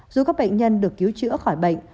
dù các bệnh nhân được cứu chữa khỏi bệnh